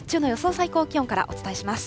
最高気温からお伝えします。